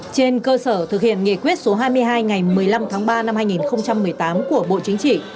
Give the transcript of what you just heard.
trên cơ sở thực hiện nghị quyết số hai mươi hai ngày một mươi năm tháng ba năm hai nghìn một mươi tám của bộ chính trị